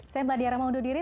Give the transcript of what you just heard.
saya mbak diara maundudiri